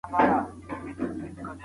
ښځه د شتمنۍ په خاطر په نکاح کيږي.